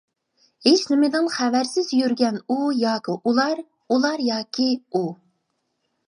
ھېچنېمىدىن خەۋەرسىز يۈرگەن ئۇ ياكى ئۇلار، ئۇلار ياكى ئۇ.